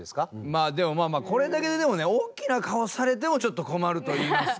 まあでもまあまあこれだけででもね大きな顔をされてもちょっと困るといいますか。